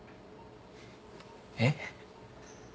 えっ？